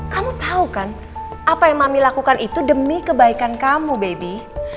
kamu tahu kan apa yang mami lakukan itu demi kebaikan kamu baby